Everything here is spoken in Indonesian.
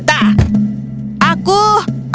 jangan lupa untuk menikmati video ini